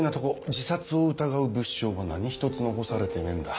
自殺を疑う物証が何一つ残されてねえんだ。